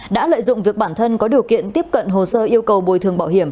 đã lợi dụng việc bản thân có điều kiện tiếp cận hồ sơ yêu cầu bồi thường bảo hiểm